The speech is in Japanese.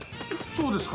そうですか。